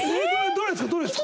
どれですか？